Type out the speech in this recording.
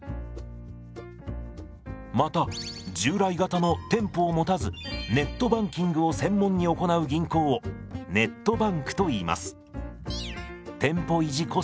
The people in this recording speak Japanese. また従来型の店舗を持たずネットバンキングを専門に行う銀行をネットバンクといいます。